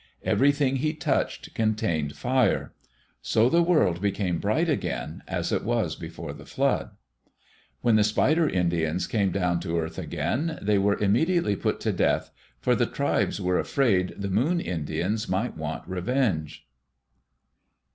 Everything he touched contained fire. So the world became bright again, as it was before the flood. When the Spider Indians came down to earth again, they were immediately put to death, for the tribes were afraid the Moon Indians might want revenge.